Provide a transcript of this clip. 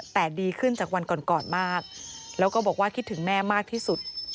แต่ดีขึ้นจากวันก่อนก่อนมากแล้วก็บอกว่าคิดถึงแม่มากที่สุด